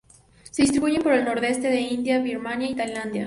Se distribuyen por el Nordeste de India, Birmania, y Tailandia.